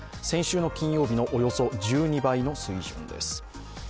先週の金曜日のおよそ１２倍の水準です。